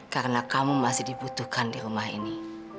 karena kamu masih dibutuhkan di rumah ini